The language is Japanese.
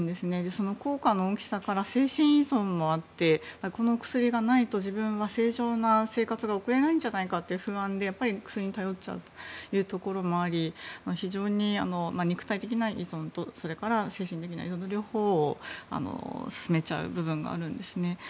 その効果の大きさから精神依存もあってこの薬がないと自分は正常な生活が送れないんじゃないかという不安で薬に頼っちゃうというところもあり非常に肉体的な依存と精神的な依存と両方を進めちゃう部分があるんですね。